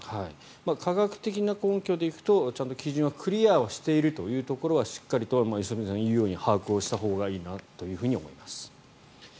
科学的な根拠で行くとちゃんと基準はクリアしているところは良純さんが言うように把握したほうがいいなとは思います。